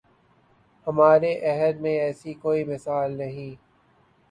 ہمارے عہد میں ایسی کوئی مثال نہیں